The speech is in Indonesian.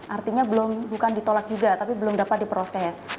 artinya bukan ditolak juga tapi belum dapat diproses